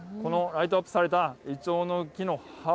ライトアップされたイチョウの葉。